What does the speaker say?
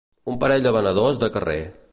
Un parell de venedors de carrer